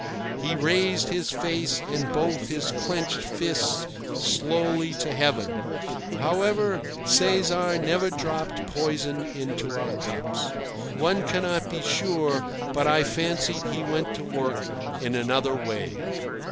He raised his face and both his clenched fists slowly to heaven. However, Cesar never dropped poison into our cups. One cannot be sure, but I fancy he went to work in another way.